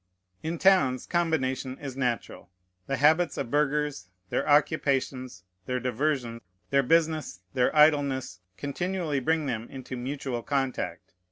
In towns combination is natural. The habits of burghers, their occupations, their diversion, their business, their idleness, continually bring them into mutual contact.